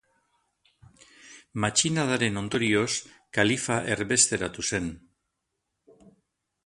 Matxinadaren ondorioz, kalifa erbesteratu zen.